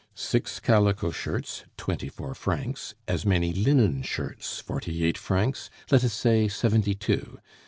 "Six calico shirts, twenty four francs; as many linen shirts, forty eight francs; let us say seventy two.